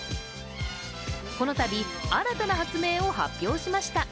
このたび、新たな発明を発表しました。